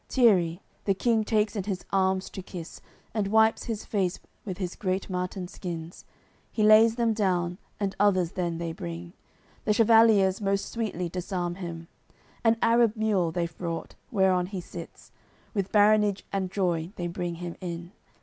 Tierri, the King takes in his arms to kiss; And wipes his face with his great marten skins; He lays them down, and others then they bring; The chevaliers most sweetly disarm him; An Arab mule they've brought, whereon he sits. With baronage and joy they bring him in.